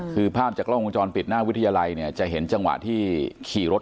คือภาพจากกล้องกลางจรปิดณวิทยาลัยจะเห็นจังหวะที่ขี่รถ